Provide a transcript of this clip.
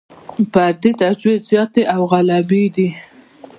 فردي توجیې زیاتې او غالبې دي.